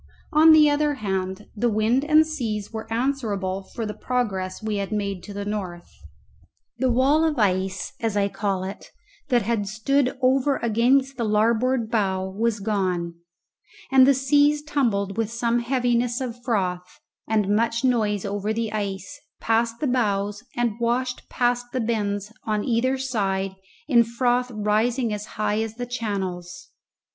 On the other hand, the wind and seas were answerable for the progress we had made to the north. The wall of ice (as I call it) that had stood over against the larboard bow was gone, and the seas tumbled with some heaviness of froth and much noise over the ice, past the bows, and washed past the bends on either side in froth rising as high as the channels.